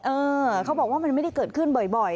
เออเขาบอกว่ามันไม่ได้เกิดขึ้นบ่อย